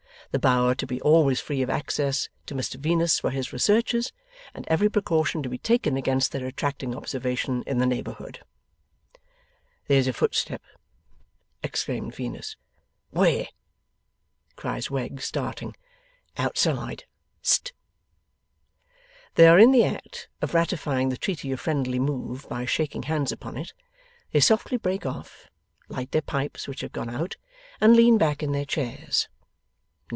The Bower to be always free of access to Mr Venus for his researches, and every precaution to be taken against their attracting observation in the neighbourhood. 'There's a footstep!' exclaims Venus. 'Where?' cries Wegg, starting. 'Outside. St!' They are in the act of ratifying the treaty of friendly move, by shaking hands upon it. They softly break off, light their pipes which have gone out, and lean back in their chairs.